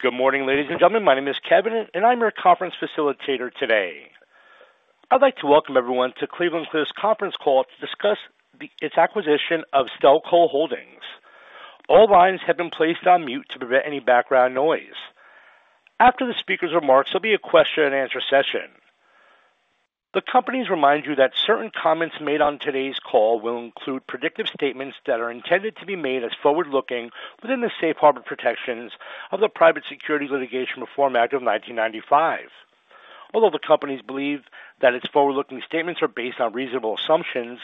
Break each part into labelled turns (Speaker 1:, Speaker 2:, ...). Speaker 1: Good morning, ladies and gentlemen. My name is Kevin, and I'm your conference facilitator today. I'd like to welcome everyone to Cleveland-Cliffs conference call to discuss its acquisition of Stelco Holdings. All lines have been placed on mute to prevent any background noise. After the speaker's remarks, there'll be a question and answer session. The companies remind you that certain comments made on today's call will include predictive statements that are intended to be made as forward-looking within the safe harbor protections of the Private Securities Litigation Reform Act of 1995. Although the companies believe that its forward-looking statements are based on reasonable assumptions,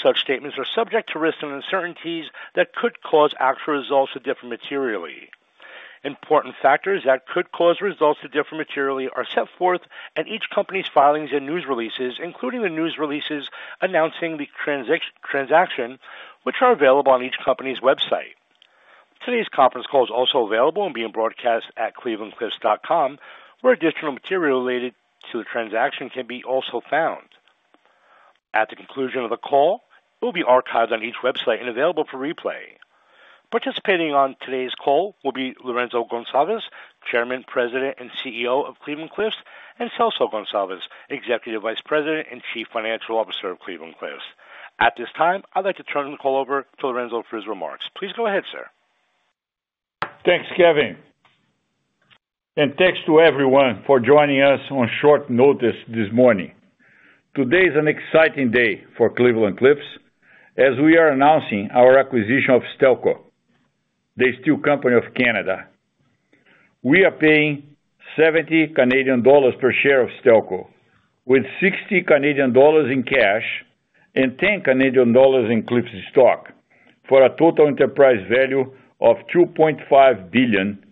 Speaker 1: such statements are subject to risks and uncertainties that could cause actual results to differ materially. Important factors that could cause results to differ materially are set forth in each company's filings and news releases, including the news releases announcing the transaction, which are available on each company's website. Today's conference call is also available and being broadcast at clevelandcliffs.com, where additional material related to the transaction can be also found. At the conclusion of the call, it will be archived on each website and available for replay. Participating on today's call will be Lourenco Goncalves, Chairman, President, and CEO of Cleveland-Cliffs, and Celso Goncalves, Executive Vice President and Chief Financial Officer of Cleveland-Cliffs. At this time, I'd like to turn the call over to Lourenco for his remarks. Please go ahead, sir.
Speaker 2: Thanks, Kevin, and thanks to everyone for joining us on short notice this morning. Today is an exciting day for Cleveland-Cliffs as we are announcing our acquisition of Stelco, the steel company of Canada. We are paying 70 Canadian dollars per share of Stelco, with 60 Canadian dollars in cash and 10 Canadian dollars in Cliffs stock, for a total enterprise value of $2.5 billion,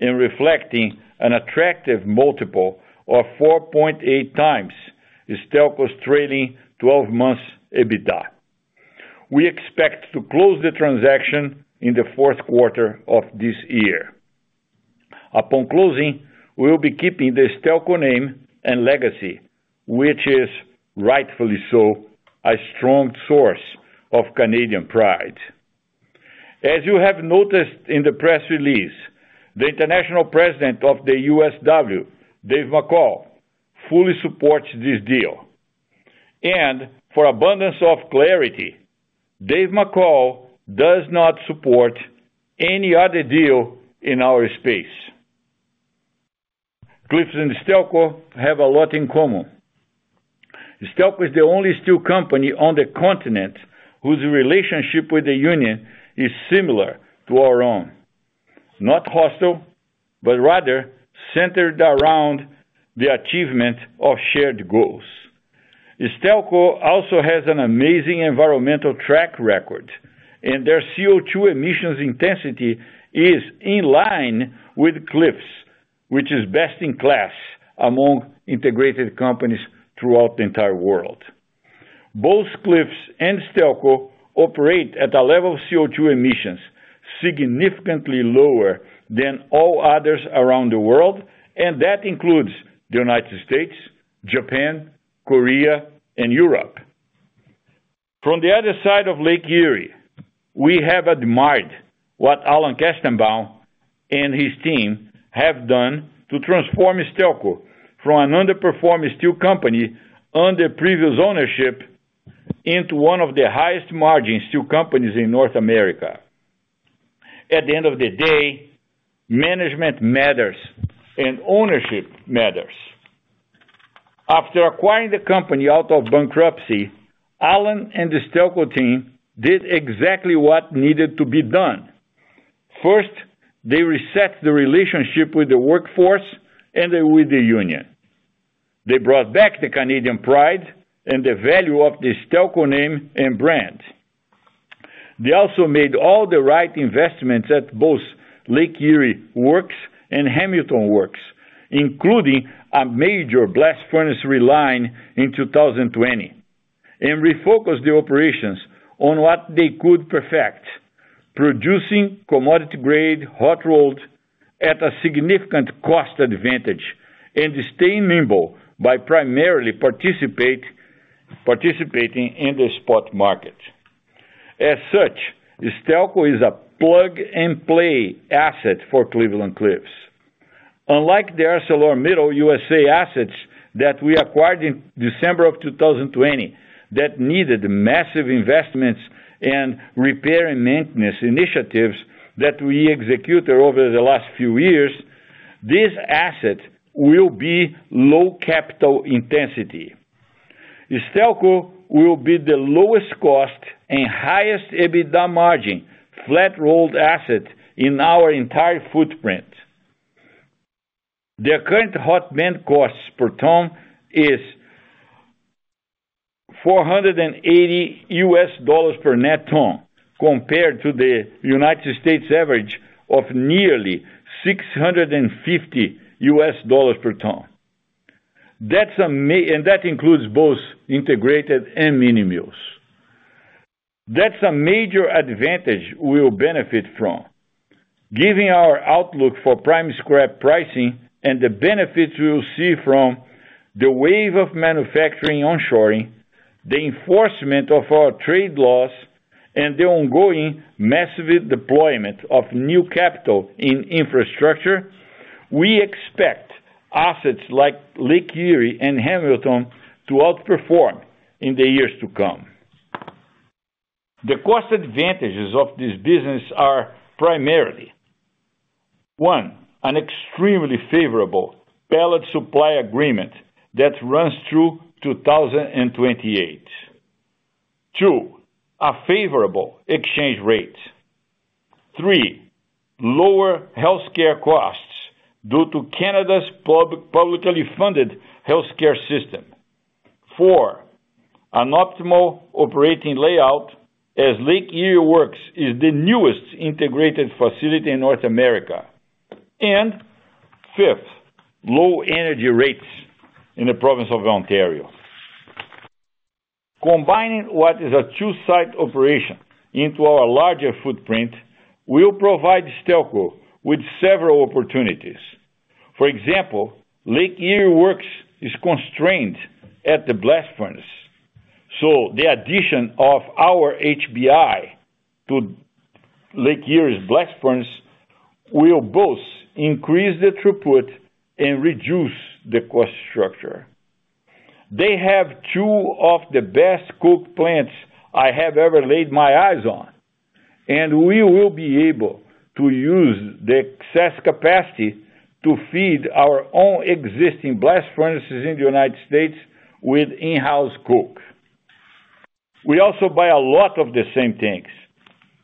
Speaker 2: and reflecting an attractive multiple of 4.8x Stelco's trailing 12 months EBITDA. We expect to close the transaction in the fourth quarter of this year. Upon closing, we will be keeping the Stelco name and legacy, which is, rightfully so, a strong source of Canadian pride. As you have noticed in the press release, the International President of the USW, Dave McCall, fully supports this deal, and for abundance of clarity, Dave McCall does not support any other deal in our space. Cliffs and Stelco have a lot in common. Stelco is the only steel company on the continent whose relationship with the union is similar to our own. Not hostile, but rather centered around the achievement of shared goals. Stelco also has an amazing environmental track record, and their CO₂ emissions intensity is in line with Cliffs, which is best-in-class among integrated companies throughout the entire world. Both Cliffs and Stelco operate at a level of CO₂ emissions significantly lower than all others around the world, and that includes the United States, Japan, Korea, and Europe. From the other side of Lake Erie, we have admired what Alan Kestenbaum and his team have done to transform Stelco from an underperforming steel company under previous ownership into one of the highest margin steel companies in North America. At the end of the day, management matters and ownership matters. After acquiring the company out of bankruptcy, Alan and the Stelco team did exactly what needed to be done. First, they reset the relationship with the workforce and with the union. They brought back the Canadian pride and the value of the Stelco name and brand. They also made all the right investments at both Lake Erie Works and Hamilton Works, including a major blast furnace reline in 2020, and refocused the operations on what they could perfect, producing commodity-grade hot rolled at a significant cost advantage and staying nimble by primarily participating in the spot market. As such, Stelco is a plug-and-play asset for Cleveland-Cliffs. Unlike the ArcelorMittal USA assets that we acquired in December of 2020, that needed massive investments and repair and maintenance initiatives that we executed over the last few years, this asset will be low capital intensity. Stelco will be the lowest cost and highest EBITDA margin, flat-rolled asset in our entire footprint. Their current hot band costs per ton is $480 per net ton, compared to the United States average of nearly $650 per ton. That's a major advantage, and that includes both integrated and mini mills. That's a major advantage we will benefit from. Given our outlook for prime scrap pricing and the benefits we will see from the wave of manufacturing onshoring, the enforcement of our trade laws and the ongoing massive deployment of new capital in infrastructure, we expect assets like Lake Erie and Hamilton Works to outperform in the years to come. The cost advantages of this business are primarily, one, an extremely favorable pellet supply agreement that runs through 2028. Two, a favorable exchange rate. Three, lower healthcare costs due to Canada's publicly funded healthcare system. Four, an optimal operating layout, as Lake Erie Works is the newest integrated facility in North America. And fifth, low energy rates in the province of Ontario. Combining what is a two-site operation into our larger footprint, will provide Stelco with several opportunities. For example, Lake Erie Works is constrained at the blast furnace, so the addition of our HBI to Lake Erie's blast furnace will both increase the throughput and reduce the cost structure. They have two of the best coke plants I have ever laid my eyes on, and we will be able to use the excess capacity to feed our own existing blast furnaces in the United States with in-house coke. We also buy a lot of the same things,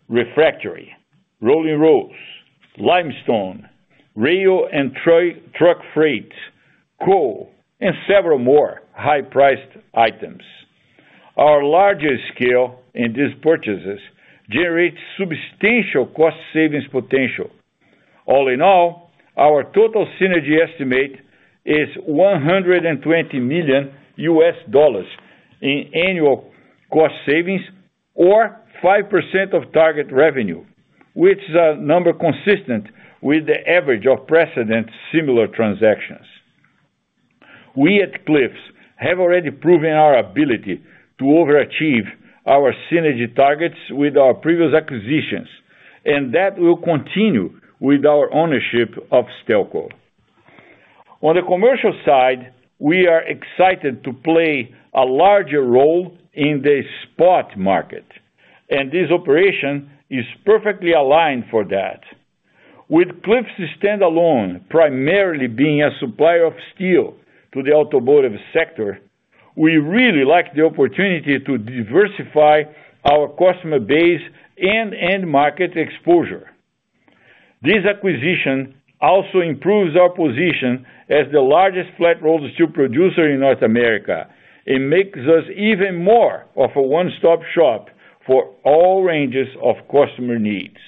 Speaker 2: refractory, rolling rolls, limestone, rail and truck freight, coal, and several more high-priced items. Our larger scale in these purchases generates substantial cost savings potential. All in all, our total synergy estimate is $120 million in annual cost savings or 5% of target revenue, which is a number consistent with the average of precedent, similar transactions. We at Cliffs have already proven our ability to overachieve our synergy targets with our previous acquisitions, and that will continue with our ownership of Stelco. On the commercial side, we are excited to play a larger role in the spot market, and this operation is perfectly aligned for that. With Cliffs standalone, primarily being a supplier of steel to the automotive sector, we really like the opportunity to diversify our customer base and end market exposure. This acquisition also improves our position as the largest flat-rolled steel producer in North America, and makes us even more of a one-stop shop for all ranges of customer needs.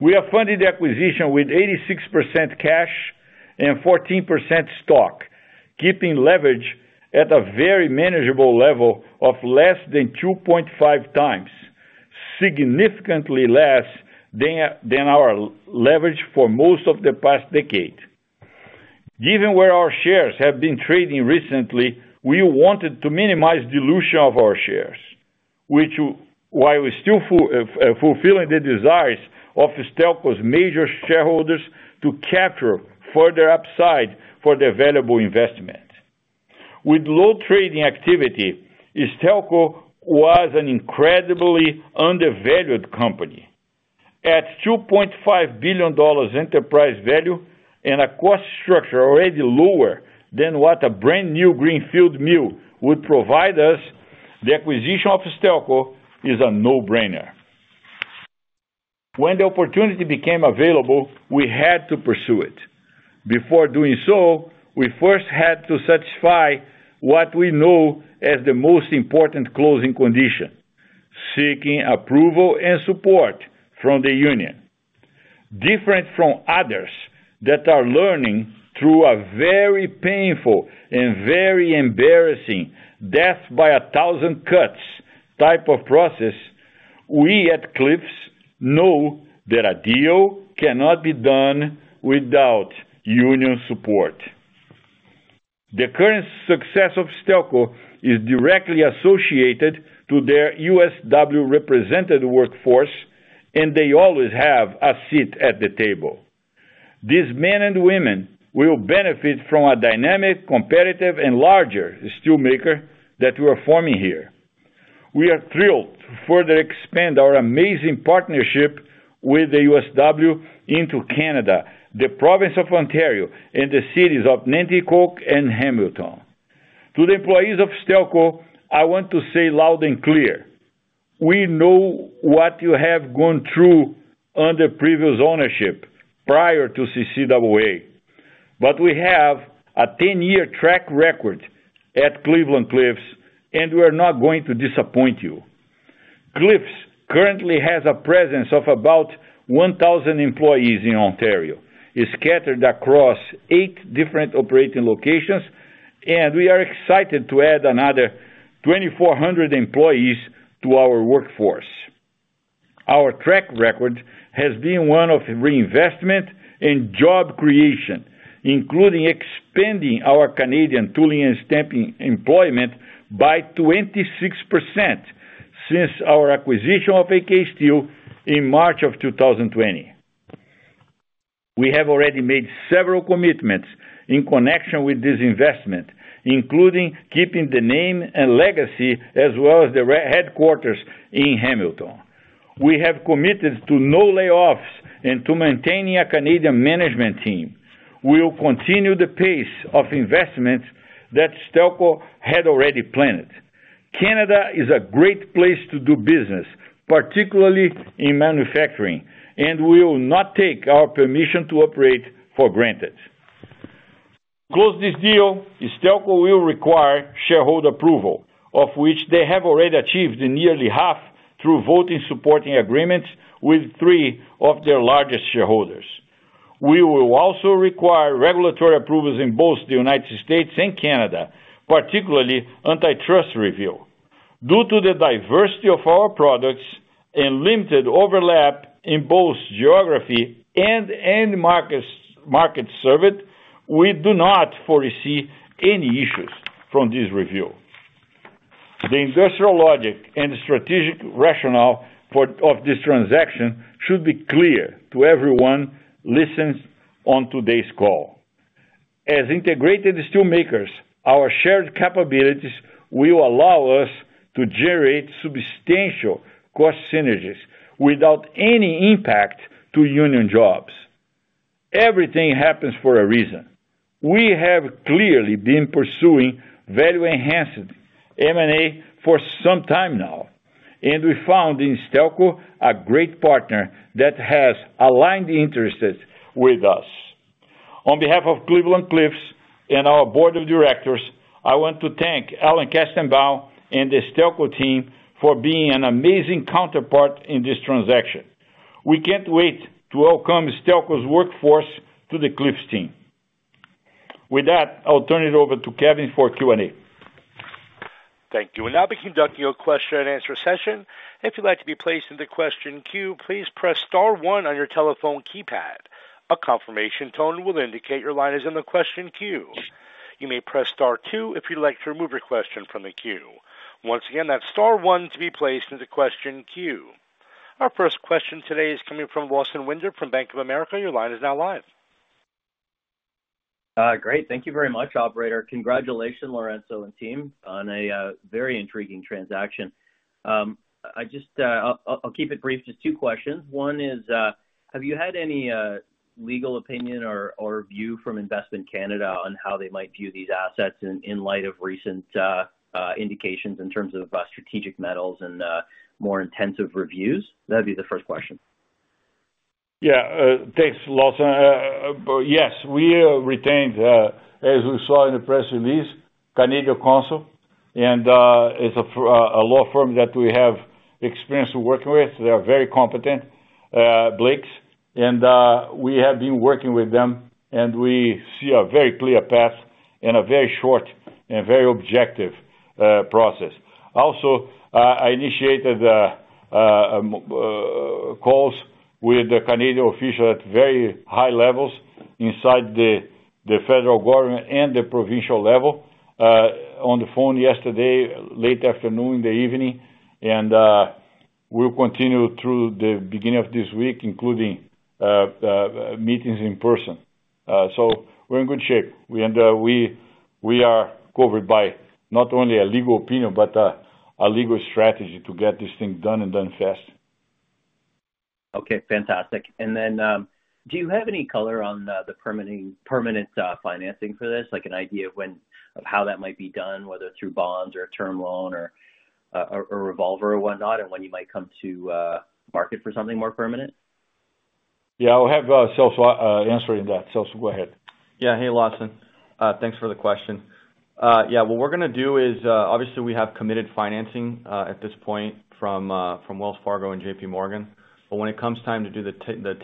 Speaker 2: We have funded the acquisition with 86% cash and 14% stock, keeping leverage at a very manageable level of less than 2.5x, significantly less than our leverage for most of the past decade. Given where our shares have been trading recently, we wanted to minimize dilution of our shares, which while still fulfilling the desires of Stelco's major shareholders to capture further upside for the available investment. With low trading activity, Stelco was an incredibly undervalued company. At $2.5 billion enterprise value and a cost structure already lower than what a brand new greenfield mill would provide us, the acquisition of Stelco is a no-brainer. When the opportunity became available, we had to pursue it. Before doing so, we first had to satisfy what we know as the most important closing condition, seeking approval and support from the union. Different from others that are learning through a very painful and very embarrassing death by a thousand cuts type of process, we at Cliffs know that a deal cannot be done without union support. The current success of Stelco is directly associated to their USW-represented workforce, and they always have a seat at the table. These men and women will benefit from a dynamic, competitive, and larger steelmaker that we're forming here. We are thrilled to further expand our amazing partnership with the USW into Canada, the province of Ontario, and the cities of Nanticoke and Hamilton. To the employees of Stelco, I want to say loud and clear, we know what you have gone through under previous ownership prior to CCAA, but we have a ten-year track record at Cleveland-Cliffs, and we're not going to disappoint you. Cliffs currently has a presence of about 1,000 employees in Ontario, is scattered across eight different operating locations, and we are excited to add another 2,400 employees to our workforce. Our track record has been one of reinvestment and job creation, including expanding our Canadian tooling and stamping employment by 26% since our acquisition of AK Steel in March 2020. We have already made several commitments in connection with this investment, including keeping the name and legacy, as well as the headquarters in Hamilton. We have committed to no layoffs and to maintaining a Canadian management team. We will continue the pace of investment that Stelco had already planned. Canada is a great place to do business, particularly in manufacturing, and we will not take our permission to operate for granted. To close this deal, Stelco will require shareholder approval, of which they have already achieved in nearly half through voting supporting agreements with three of their largest shareholders. We will also require regulatory approvals in both the United States and Canada, particularly antitrust review. Due to the diversity of our products and limited overlap in both geography and markets served, we do not foresee any issues from this review. The industrial logic and strategic rationale of this transaction should be clear to everyone listening on today's call. As integrated steel makers, our shared capabilities will allow us to generate substantial cost synergies without any impact to union jobs. Everything happens for a reason. We have clearly been pursuing value-enhancing M&A for some time now, and we found in Stelco a great partner that has aligned interests with us. On behalf of Cleveland-Cliffs and our board of directors, I want to thank Alan Kestenbaum and the Stelco team for being an amazing counterpart in this transaction. We can't wait to welcome Stelco's workforce to the Cliffs team. With that, I'll turn it over to Kevin for Q&A.
Speaker 1: Thank you. We'll now be conducting a question and answer session. If you'd like to be placed in the question queue, please press *1 on your telephone keypad. A confirmation tone will indicate your line is in the question queue. You may press *2 if you'd like to remove your question from the queue. Once again, that's *1 to be placed into question queue. Our first question today is coming from Lawson Winder from Bank of America. Your line is now live.
Speaker 3: Great. Thank you very much, operator. Congratulations, Lourenco and team, on a very intriguing transaction. I just, I'll keep it brief. Just two questions. One is, have you had any legal opinion or view from Investment Canada on how they might view these assets in light of recent indications in terms of strategic metals and more intensive reviews? That'd be the first question.
Speaker 2: Yeah. Thanks, Lawson. Yes, we retained, as we saw in the press release, Canadian counsel, and it's a law firm that we have experience working with. They are very competent, Blakes, and we have been working with them, and we see a very clear path and a very short and very objective process. Also, I initiated calls with the Canadian official at very high levels inside the federal government and the provincial level, on the phone yesterday, late afternoon, the evening, and we'll continue through the beginning of this week, including meetings in person. So we're in good shape. We are covered by not only a legal opinion, but a legal strategy to get this thing done and done fast.
Speaker 3: Okay, fantastic. And then, do you have any color on the permitting, permanent financing for this? Like an idea of when, of how that might be done, whether through bonds or a term loan or, or revolver or whatnot, and when you might come to market for something more permanent?
Speaker 2: Yeah, I'll have Celso answer that. Celso, go ahead.
Speaker 4: Yeah. Hey, Lawson. Thanks for the question. Yeah, what we're gonna do is, obviously we have committed financing, at this point from, from Wells Fargo and JPMorgan. But when it comes time to do the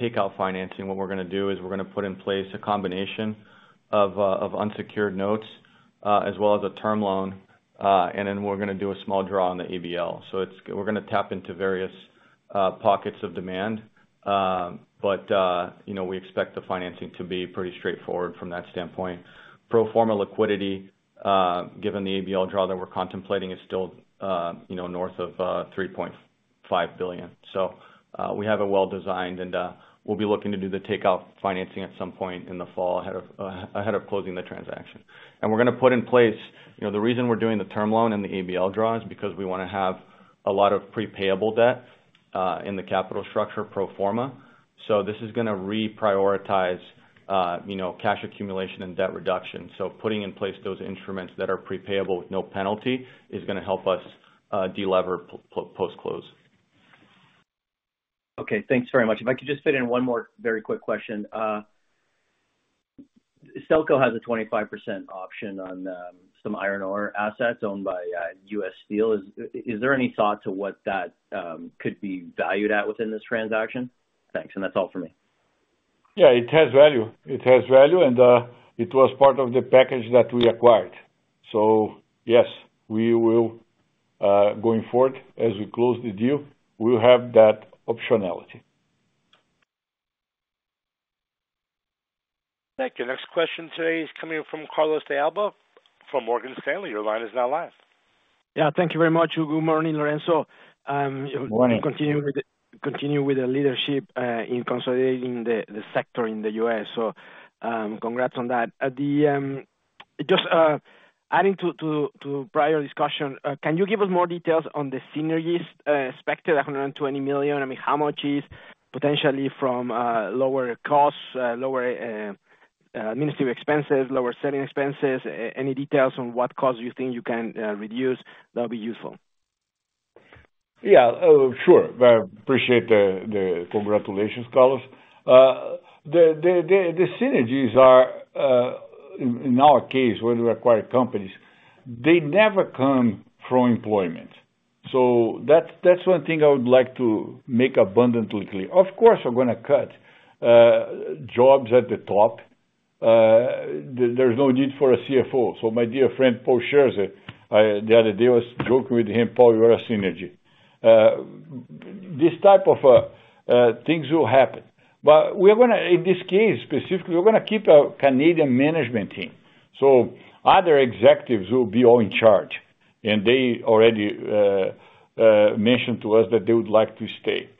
Speaker 4: takeout financing, what we're gonna do is we're gonna put in place a combination of, of unsecured notes, as well as a term loan, and then we're gonna do a small draw on the ABL. So it's- we're gonna tap into various, pockets of demand, but, you know, we expect the financing to be pretty straightforward from that standpoint. Pro forma liquidity, given the ABL draw that we're contemplating, is still, you know, north of, $3.5 billion. So, we have it well designed, and we'll be looking to do the takeout financing at some point in the fall, ahead of closing the transaction. And we're gonna put in place... You know, the reason we're doing the term loan and the ABL draw is because we wanna have a lot of prepayable debt in the capital structure pro forma. So this is gonna reprioritize you know, cash accumulation and debt reduction. So putting in place those instruments that are prepayable with no penalty is gonna help us delever post-close.
Speaker 3: Okay, thanks very much. If I could just fit in one more very quick question. Stelco has a 25% option on some iron ore assets owned by U.S. Steel. Is there any thought to what that could be valued at within this transaction? Thanks, and that's all for me....
Speaker 2: Yeah, it has value. It has value, and, it was part of the package that we acquired. So yes, we will, going forward, as we close the deal, we'll have that optionality.
Speaker 1: Thank you. Next question today is coming from Carlos de Alba from Morgan Stanley. Your line is now live.
Speaker 5: Yeah, thank you very much. Good morning, Lourenco.
Speaker 2: Good morning.
Speaker 5: Continue with the leadership in consolidating the sector in the U.S. So, congrats on that. Just adding to prior discussion, can you give us more details on the synergies expected, $120 million? I mean, how much is potentially from lower costs, lower administrative expenses, lower selling expenses? Any details on what costs you think you can reduce, that'll be useful.
Speaker 2: Yeah, sure. Well, appreciate the congratulations, Carlos. The synergies are, in our case, when we acquire companies, they never come from employment. So that's one thing I would like to make abundantly clear. Of course, we're gonna cut jobs at the top. There's no need for a CFO, so my dear friend, Paul Scherzer, the other day, I was joking with him, "Paul, you're a synergy." This type of things will happen. But we're gonna, in this case, specifically, we're gonna keep our Canadian management team, so other executives will be all in charge, and they already mentioned to us that they would like to stay.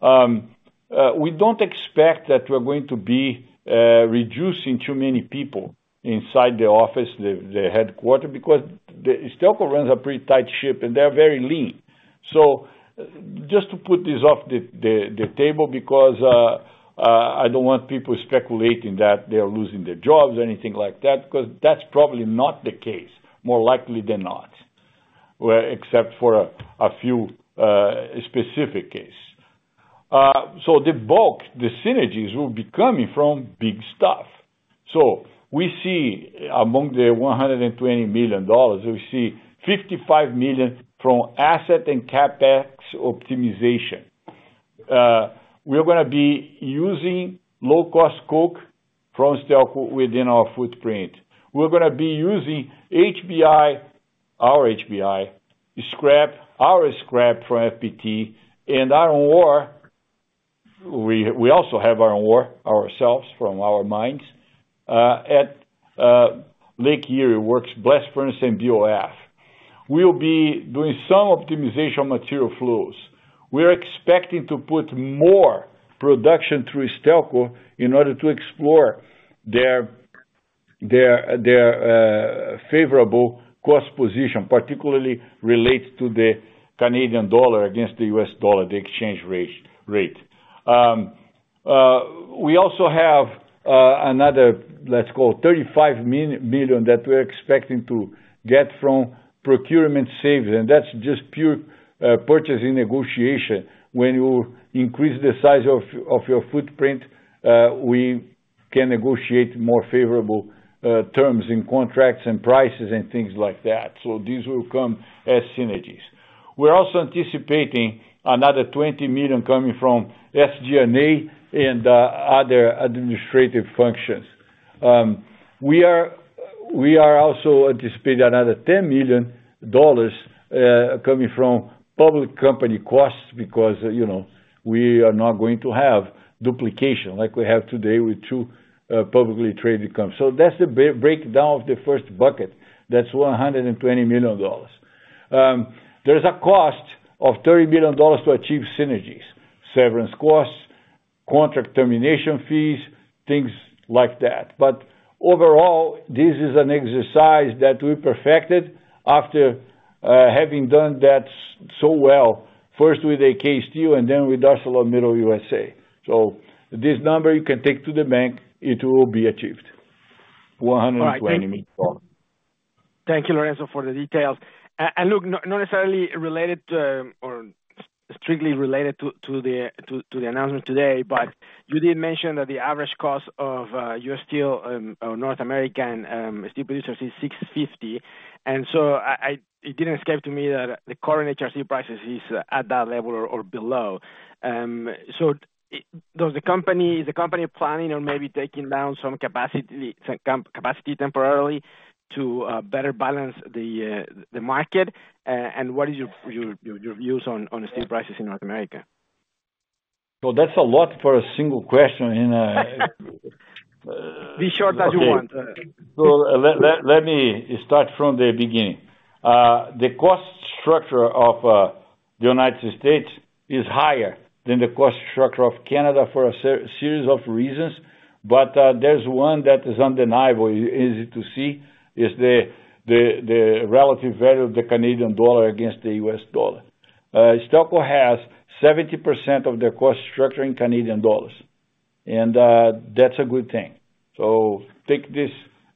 Speaker 2: We don't expect that we're going to be reducing too many people inside the office, the headquarters, because Stelco runs a pretty tight ship, and they're very lean. So just to put this off the table, because I don't want people speculating that they are losing their jobs or anything like that, 'cause that's probably not the case, more likely than not, well, except for a few specific case. So the bulk, the synergies, will be coming from big stuff. So we see among the $120 million, we see $55 million from asset and CapEx optimization. We're gonna be using low-cost coke from Stelco within our footprint. We're gonna be using HBI, our HBI, scrap, our scrap from FPT, and iron ore. We also have iron ore ourselves from our mines at Lake Erie Works, blast furnace and BOF. We'll be doing some optimization on material flows. We're expecting to put more production through Stelco in order to explore their favorable cost position, particularly related to the Canadian dollar against the US dollar, the exchange rate. We also have $35 million that we're expecting to get from procurement savings, and that's just pure purchasing negotiation. When you increase the size of your footprint, we can negotiate more favorable terms and contracts and prices and things like that, so these will come as synergies. We're also anticipating another $20 million coming from SG&A and other administrative functions. We are also anticipating another $10 million coming from public company costs because, you know, we are not going to have duplication like we have today with two publicly traded companies. So that's the breakdown of the first bucket. That's $120 million. There's a cost of $30 billion to achieve synergies, severance costs, contract termination fees, things like that. But overall, this is an exercise that we perfected after having done that so well, first with AK Steel and then with ArcelorMittal USA. So this number you can take to the bank, it will be achieved, $120 million.
Speaker 5: Thank you, Lorenzo, for the details. And look, not necessarily related to, or strictly related to, the announcement today, but you did mention that the average cost of your steel, or North American steel producers is $650. And so it didn't escape to me that the current HRC prices is at that level or below. So does the company—is the company planning on maybe taking down some capacity temporarily, to better balance the market? And what is your views on steel prices in North America?
Speaker 2: So that's a lot for a single question, and
Speaker 5: Be short as you want.
Speaker 2: So let me start from the beginning. The cost structure of the United States is higher than the cost structure of Canada for a series of reasons, but there's one that is undeniable, easy to see, is the relative value of the Canadian dollar against the U.S. dollar. Stelco has 70% of their cost structure in Canadian dollars, and that's a good thing. So take this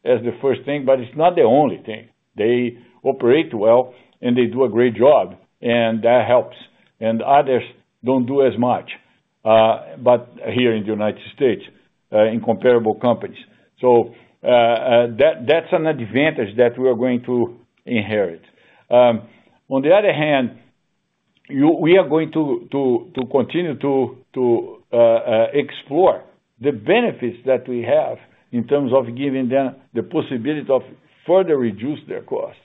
Speaker 2: as the first thing, but it's not the only thing. They operate well, and they do a great job, and that helps, and others don't do as much, but here in the United States, in comparable companies. So, that's an advantage that we are going to inherit. On the other hand... We are going to continue to explore the benefits that we have in terms of giving them the possibility of further reduce their costs.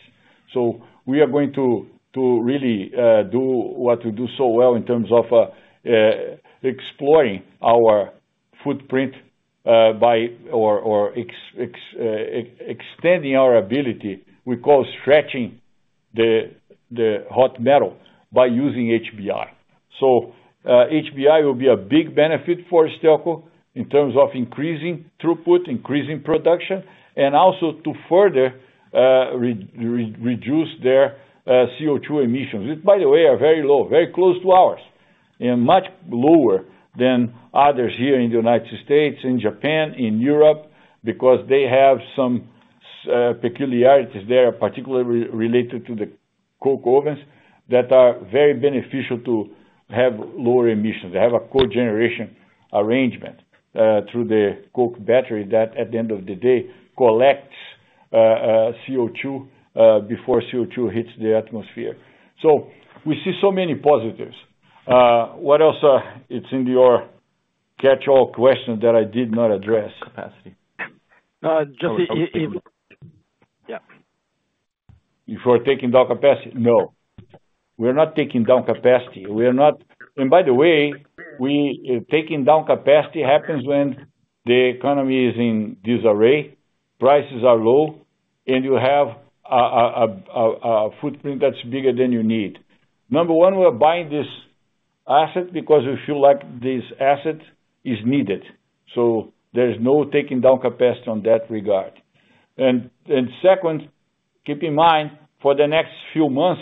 Speaker 2: So we are going to really do what we do so well in terms of exploring our footprint by extending our ability, we call stretching the hot metal by using HBI. So HBI will be a big benefit for Stelco in terms of increasing throughput, increasing production, and also to further reduce their CO₂ emissions, which, by the way, are very low, very close to ours, and much lower than others here in the United States, in Japan, in Europe, because they have some peculiarities there, particularly related to the coke ovens, that are very beneficial to have lower emissions. They have a co-generation arrangement through the coke battery that, at the end of the day, collects CO₂ before CO₂ hits the atmosphere. So we see so many positives. What else, it's in your catchall question that I did not address?
Speaker 5: Capacity. Just, yeah.
Speaker 2: If we're taking down capacity? No, we're not taking down capacity. We are not. And by the way, taking down capacity happens when the economy is in disarray, prices are low, and you have a footprint that's bigger than you need. Number one, we're buying this asset because we feel like this asset is needed, so there is no taking down capacity on that regard. And second, keep in mind, for the next few months,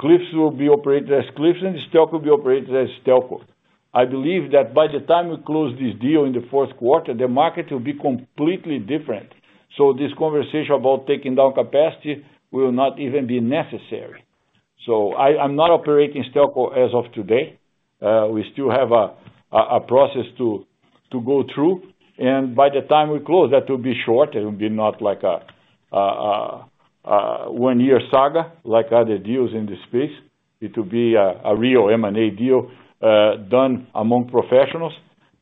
Speaker 2: Cliffs will be operated as Cliffs, and Stelco will be operated as Stelco. I believe that by the time we close this deal in the fourth quarter, the market will be completely different, so this conversation about taking down capacity will not even be necessary. So I'm not operating Stelco as of today. We still have a process to go through, and by the time we close, that will be short. It will be not like a one-year saga, like other deals in this space. It will be a real M&A deal, done among professionals.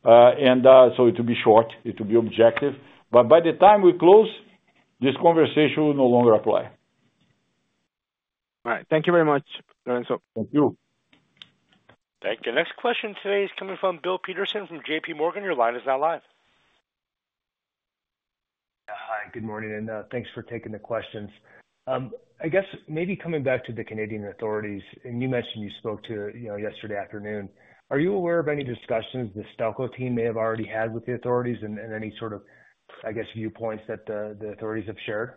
Speaker 2: And so it will be short, it will be objective. But by the time we close, this conversation will no longer apply.
Speaker 5: All right. Thank you very much, Lourenco.
Speaker 2: Thank you.
Speaker 1: Thank you. Next question today is coming from Bill Peterson from JPMorgan. Your line is now live.
Speaker 6: Hi, good morning, and thanks for taking the questions. I guess maybe coming back to the Canadian authorities, and you mentioned you spoke to, you know, yesterday afternoon. Are you aware of any discussions the Stelco team may have already had with the authorities and any sort of, I guess, viewpoints that the authorities have shared?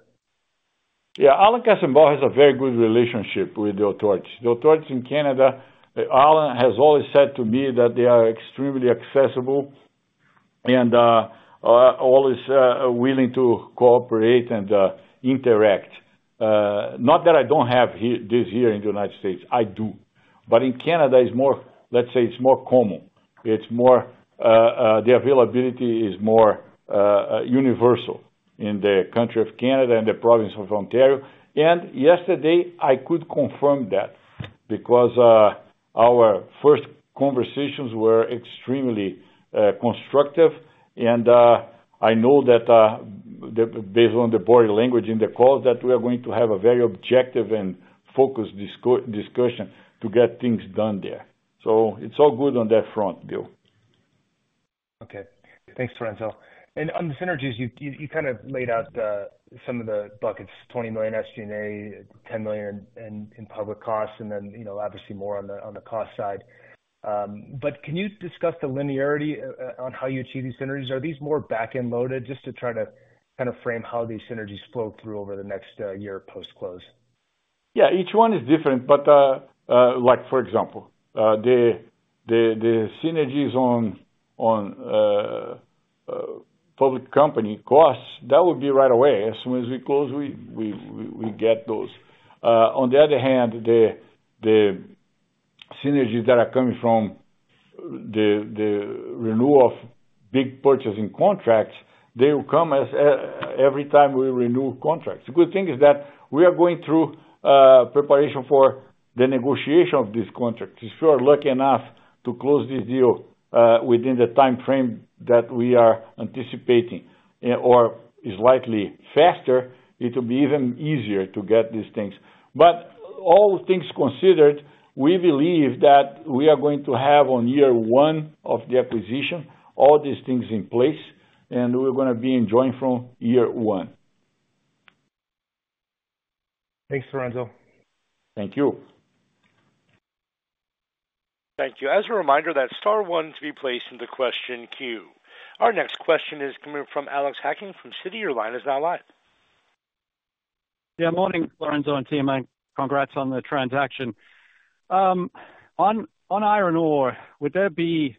Speaker 2: Yeah. Alan Kestenbaum has a very good relationship with the authorities. The authorities in Canada, Alan has always said to me that they are extremely accessible and always willing to cooperate and interact. Not that I don't have here—this here in the United States, I do. But in Canada, it's more, let's say, it's more common. It's more the availability is more universal in the country of Canada and the province of Ontario. And yesterday, I could confirm that because our first conversations were extremely constructive, and I know that that based on the body language in the call, that we are going to have a very objective and focused discussion to get things done there. So it's all good on that front, Bill.
Speaker 6: Okay. Thanks, Lourenco. And on the synergies, you kind of laid out some of the buckets, $20 million SG&A, $10 million in public costs, and then, you know, obviously more on the cost side. But can you discuss the linearity on how you achieve these synergies? Are these more back-end loaded? Just to try to kind of frame how these synergies flow through over the next year post-close.
Speaker 2: Yeah, each one is different, but, like for example, the synergies on public company costs, that would be right away. As soon as we close, we get those. On the other hand, the synergies that are coming from the renewal of big purchasing contracts, they will come as every time we renew contracts. The good thing is that we are going through preparation for the negotiation of this contract. If we are lucky enough to close this deal within the time frame that we are anticipating, or is likely faster, it will be even easier to get these things. But all things considered, we believe that we are going to have on year one of the acquisition, all these things in place, and we're gonna be enjoying from year one.
Speaker 6: Thanks, Lorenzo.
Speaker 2: Thank you.
Speaker 1: Thank you. As a reminder, that's star one to be placed into question queue. Our next question is coming from Alex Hacking from Citi. Your line is now live.
Speaker 7: Yeah, morning, Lourenco and team, and congrats on the transaction. On iron ore, would there be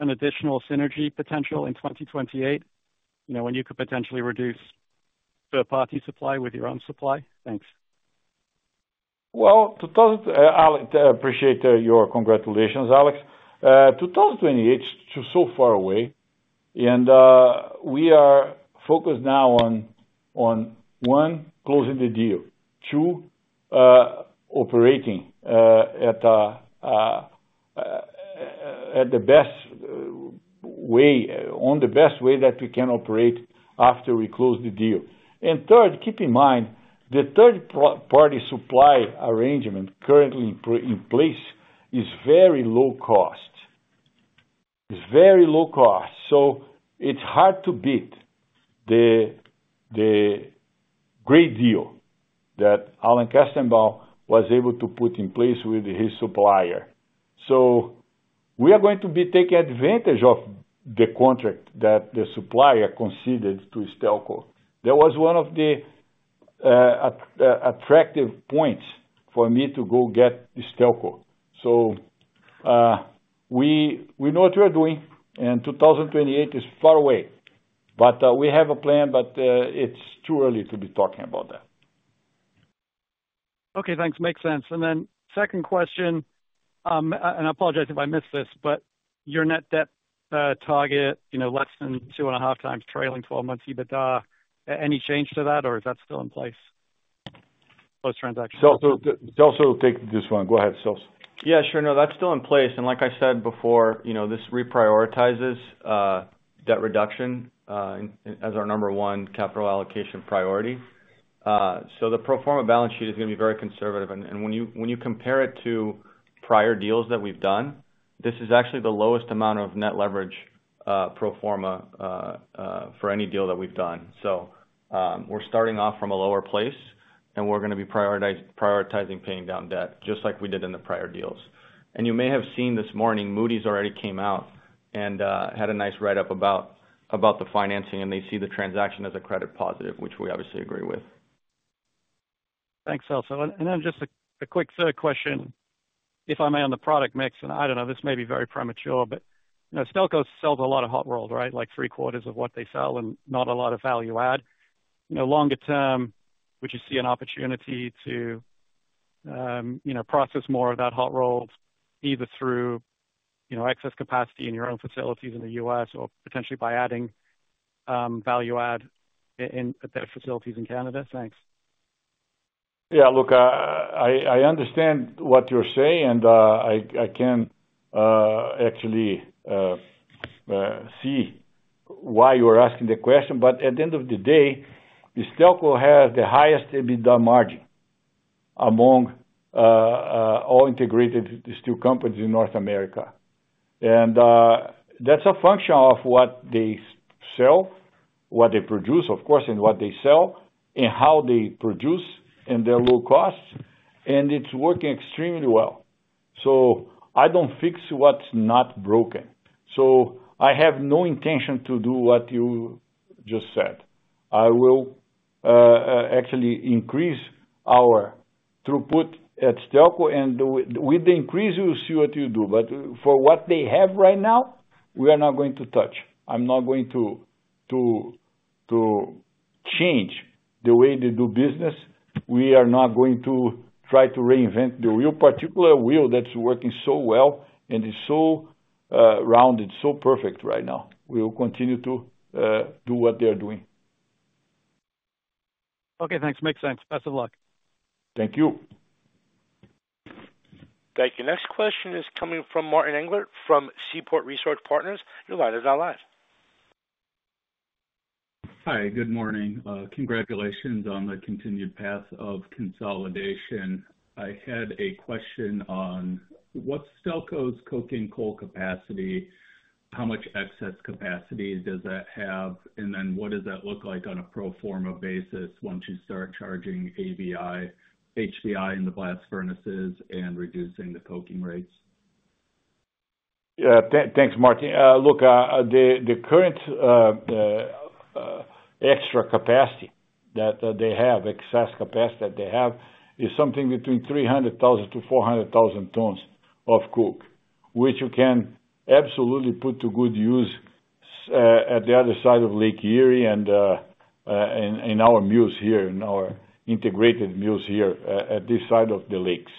Speaker 7: an additional synergy potential in 2028, you know, when you could potentially reduce third-party supply with your own supply? Thanks.
Speaker 2: Well, Alex, I appreciate your congratulations, Alex. 2028 is so far away. And we are focused now on one, closing the deal. Two, operating at the best way that we can operate after we close the deal. And third, keep in mind, the third-party supply arrangement currently in place is very low cost. It's very low cost, so it's hard to beat the great deal that Alan Kestenbaum was able to put in place with his supplier. So we are going to be taking advantage of the contract that the supplier considered to Stelco. That was one of the attractive points for me to go get Stelco. We know what we are doing, and 2028 is far away, but we have a plan, but it's too early to be talking about that.
Speaker 7: Okay, thanks. Makes sense. And then second question, and I apologize if I missed this, but your net debt target, you know, less than 2.5 times trailing twelve months EBITDA, any change to that, or is that still in place, post-transaction?
Speaker 2: Celso, Celso, take this one. Go ahead, Celso.
Speaker 4: Yeah, sure. No, that's still in place, and like I said before, you know, this reprioritizes debt reduction as our number one capital allocation priority. So the pro forma balance sheet is gonna be very conservative, and when you compare it to prior deals that we've done, this is actually the lowest amount of net leverage pro forma for any deal that we've done. So, we're starting off from a lower place, and we're gonna be prioritizing paying down debt, just like we did in the prior deals. And you may have seen this morning, Moody's already came out and had a nice write-up about the financing, and they see the transaction as a credit positive, which we obviously agree with.
Speaker 7: Thanks, Celso. And then just a quick third question, if I may, on the product mix, and I don't know, this may be very premature, but, you know, Stelco sells a lot of hot roll, right? Like three quarters of what they sell and not a lot of value add. You know, longer term, would you see an opportunity to, you know, process more of that hot roll, either through, you know, excess capacity in your own facilities in the U.S. or potentially by adding, value add in, at their facilities in Canada? Thanks.
Speaker 2: Yeah, look, I understand what you're saying, and I can actually see why you are asking the question. But at the end of the day, Stelco has the highest EBITDA margin among all integrated steel companies in North America. And that's a function of what they sell, what they produce, of course, and what they sell, and how they produce, and their low costs, and it's working extremely well. So I don't fix what's not broken. So I have no intention to do what you just said. I will actually increase our throughput at Stelco, and with the increase, you'll see what you do. But for what they have right now, we are not going to touch. I'm not going to change the way they do business. We are not going to try to reinvent the wheel, particular wheel, that's working so well and is so, rounded, so perfect right now. We will continue to do what they are doing.
Speaker 7: Okay, thanks. Makes sense. Best of luck.
Speaker 2: Thank you.
Speaker 1: Thank you. Next question is coming from Martin Englert, from Seaport Research Partners. Your line is now live.
Speaker 8: Hi, good morning. Congratulations on the continued path of consolidation. I had a question on, what's Stelco's coking coal capacity? How much excess capacity does that have? And then what does that look like on a pro forma basis once you start charging ABI, HBI in the blast furnaces and reducing the coking rates?
Speaker 2: Yeah. Thanks, Martin. Look, the current extra capacity that they have, excess capacity that they have, is something between 300,000 to 400,000 tons of coke, which you can absolutely put to good use, at the other side of Lake Erie and, in our mills here, in our integrated mills here, at this side of the lakes.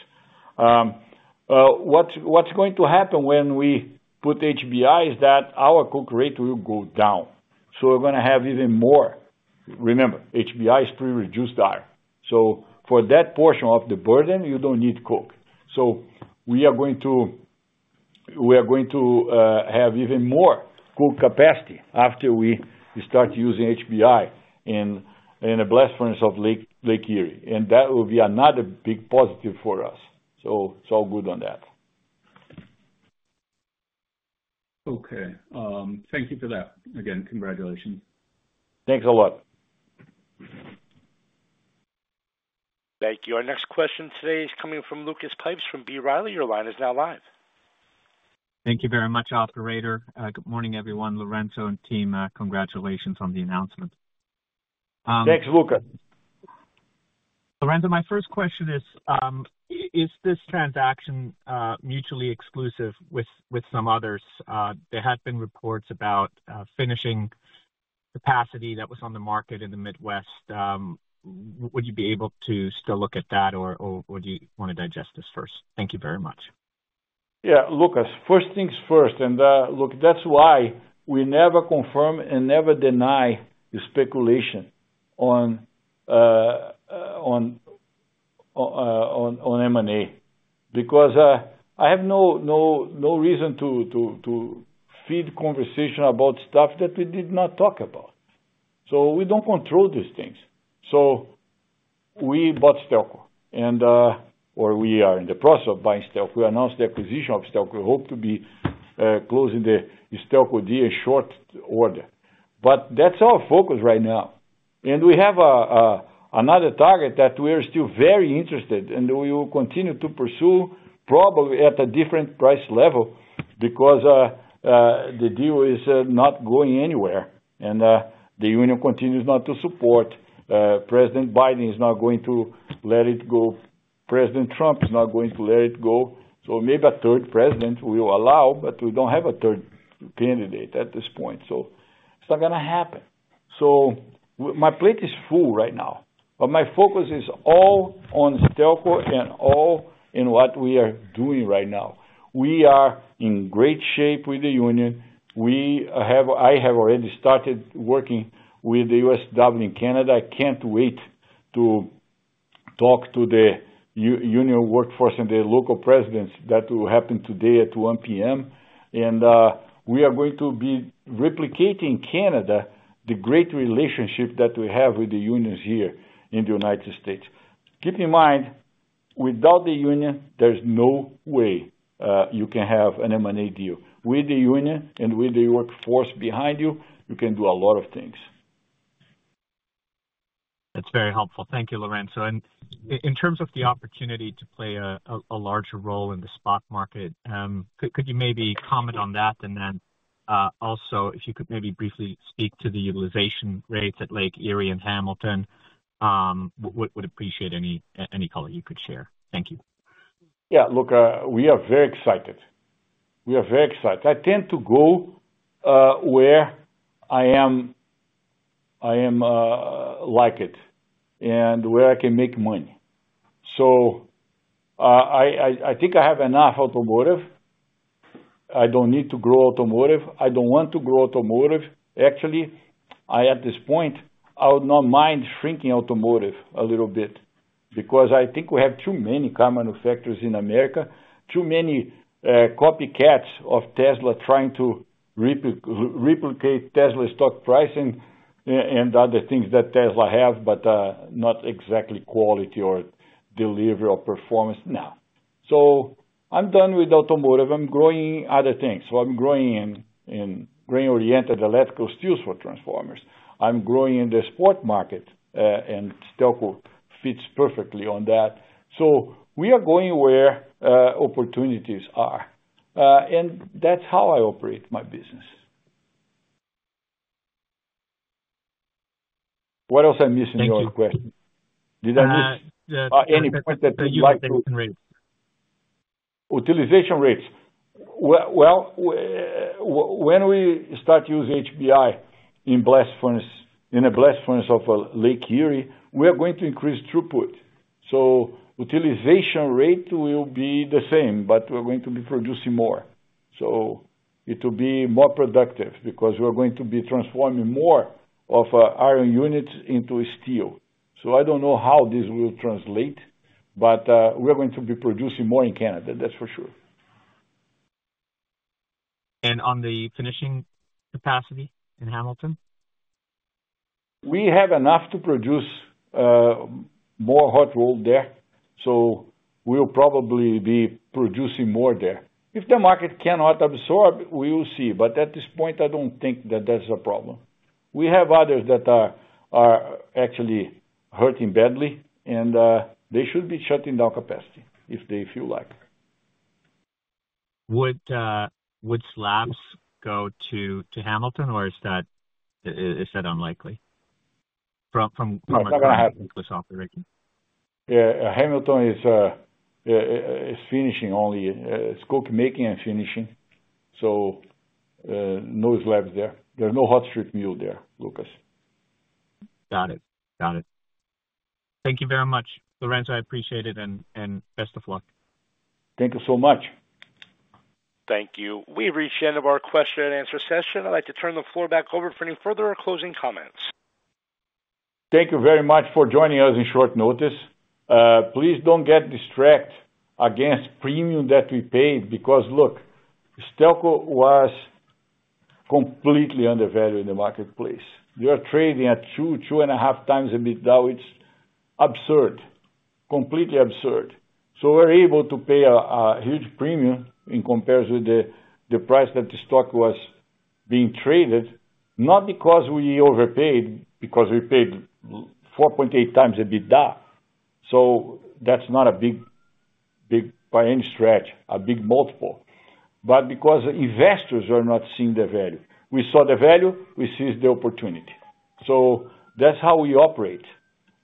Speaker 2: What's going to happen when we put HBI is that our coke rate will go down. So we're gonna have even more. Remember, HBI is pre-reduced iron, so for that portion of the burden, you don't need coke. So we are going to have even more coke capacity after we start using HBI in the blast furnace of Lake Erie, and that will be another big positive for us. So, it's all good on that.
Speaker 8: Okay. Thank you for that. Again, congratulations.
Speaker 2: Thanks a lot.
Speaker 1: Thank you. Our next question today is coming from Lucas Pipes from B. Riley. Your line is now live.
Speaker 9: Thank you very much, operator. Good morning, everyone, Lourenco and team. Congratulations on the announcement.
Speaker 2: Thanks, Lucas.
Speaker 9: Lourenco, my first question is, is this transaction mutually exclusive with some others? There have been reports about finishing capacity that was on the market in the Midwest, would you be able to still look at that, or would you want to digest this first? Thank you very much.
Speaker 2: Yeah, Lucas, first things first, and, look, that's why we never confirm and never deny the speculation on M&A, because I have no, no, no reason to feed conversation about stuff that we did not talk about. So we don't control these things. So we bought Stelco, and, or we are in the process of buying Stelco. We announced the acquisition of Stelco. We hope to be closing the Stelco deal in short order. But that's our focus right now. And we have another target that we are still very interested and we will continue to pursue, probably at a different price level, because the deal is not going anywhere, and the union continues not to support. President Biden is not going to let it go. President Trump is not going to let it go. So maybe a third president will allow, but we don't have a third candidate at this point, so it's not gonna happen. So my plate is full right now, but my focus is all on Stelco and all in what we are doing right now. We are in great shape with the union. I have already started working with the USW in Canada. I can't wait to talk to the union workforce and the local presidents. That will happen today at 1:00 P.M. And we are going to be replicating Canada, the great relationship that we have with the unions here in the United States. Keep in mind, without the union, there's no way you can have an M&A deal. With the union and with the workforce behind you, you can do a lot of things.
Speaker 9: That's very helpful. Thank you, Lourenco. And in terms of the opportunity to play a larger role in the spot market, could you maybe comment on that? And then, also, if you could maybe briefly speak to the utilization rates at Lake Erie and Hamilton, would appreciate any color you could share. Thank you.
Speaker 2: Yeah, look, we are very excited. We are very excited. I tend to go where I like it, and where I can make money. So, I think I have enough automotive. I don't need to grow automotive. I don't want to grow automotive. Actually, I, at this point, I would not mind shrinking automotive a little bit because I think we have too many car manufacturers in America, too many copycats of Tesla trying to replicate Tesla's stock pricing and other things that Tesla have, but not exactly quality or delivery or performance. No. So I'm done with automotive. I'm growing other things. So I'm growing in grain-oriented electrical steels for transformers. I'm growing in the spot market, and Stelco fits perfectly on that. So we are going where, opportunities are, and that's how I operate my business. What else I'm missing in your question?
Speaker 9: Thank you.
Speaker 2: Did I miss any point that you'd like to-
Speaker 9: Utilization rates.
Speaker 2: Utilization rates. Well, when we start to use HBI in blast furnace, in a blast furnace of Lake Erie, we are going to increase throughput, so utilization rate will be the same, but we're going to be producing more. So it will be more productive because we are going to be transforming more of iron units into steel. So I don't know how this will translate, but we are going to be producing more in Canada, that's for sure.
Speaker 9: On the finishing capacity in Hamilton?
Speaker 2: We have enough to produce more hot roll there, so we'll probably be producing more there. If the market cannot absorb, we will see, but at this point, I don't think that that's a problem. We have others that are actually hurting badly, and they should be shutting down capacity if they feel like.
Speaker 9: Would slabs go to Hamilton, or is that unlikely? From-
Speaker 2: No, it's not gonna happen.
Speaker 9: -from this operating.
Speaker 2: Yeah. Hamilton is finishing only, stamping and finishing, so no slabs there. There are no hot strip mill there, Lucas.
Speaker 9: Got it. Got it. Thank you very much, Lourenco. I appreciate it, and, and best of luck.
Speaker 2: Thank you so much.
Speaker 1: Thank you. We've reached the end of our question and answer session. I'd like to turn the floor back over for any further or closing comments.
Speaker 2: Thank you very much for joining us in short notice. Please don't get distracted by the premium that we paid, because, look, Stelco was completely undervalued in the marketplace. We are trading at 2-2.5 times EBITDA. It's absurd, completely absurd. So we're able to pay a huge premium in comparison with the price that the stock was being traded, not because we overpaid, because we paid 4.8 times the EBITDA. So that's not a big, big, by any stretch, a big multiple, but because investors are not seeing the value. We saw the value, we seized the opportunity. So that's how we operate.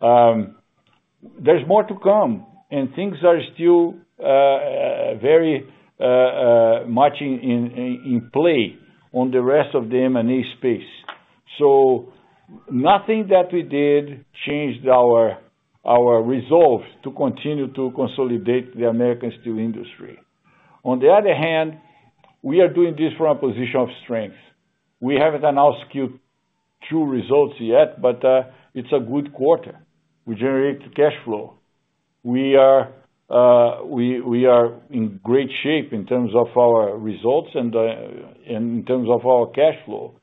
Speaker 2: There's more to come, and things are still very much in play on the rest of the M&A space. So nothing that we did changed our resolve to continue to consolidate the American steel industry. On the other hand, we are doing this from a position of strength. We haven't announced Q2 results yet, but it's a good quarter. We generated cash flow. We are in great shape in terms of our results and in terms of our cash flow,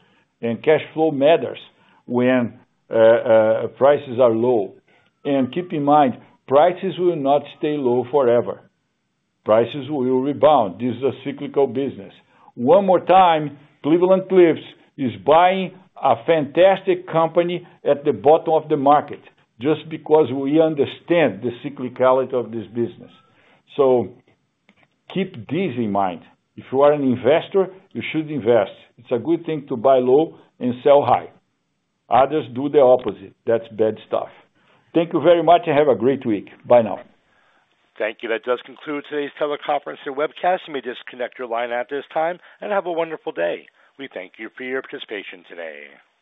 Speaker 2: and cash flow matters when prices are low. And keep in mind, prices will not stay low forever. Prices will rebound. This is a cyclical business. One more time, Cleveland-Cliffs is buying a fantastic company at the bottom of the market, just because we understand the cyclicality of this business. So keep this in mind. If you are an investor, you should invest. It's a good thing to buy low and sell high. Others do the opposite. That's bad stuff. Thank you very much, and have a great week. Bye now.
Speaker 1: Thank you. That does conclude today's teleconference and webcast. You may disconnect your line at this time, and have a wonderful day. We thank you for your participation today.